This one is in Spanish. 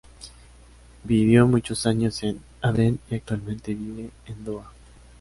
Vivió muchos años en Aberdeen, y actualmente vive en Doha.